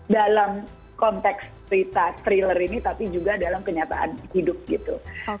dalam konteks cerita thriller ini tapi juga dalam kenyataan hidup gitu